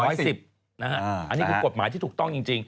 อันนี้คือกฎหมายที่ถูกต้องจริง